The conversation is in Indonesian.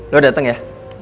lo dateng ya